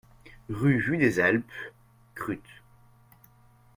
Rue Vue des Alpes, Kruth